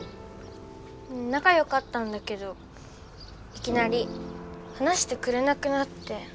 仲よかったんだけどいきなり話してくれなくなって。